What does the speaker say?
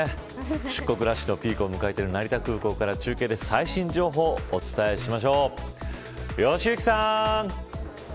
出国ラッシュのピークを迎えている成田空港から中継で、最新情報をお伝えしましょう。